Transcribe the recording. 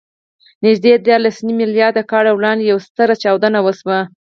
نږدې دیارلسنیم میلیارده کاله وړاندې یوه ستره چاودنه وشوه.